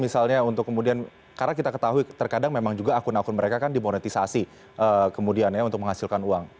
karena kita ketahui terkadang memang juga akun akun mereka dimonetisasi kemudian untuk menghasilkan uang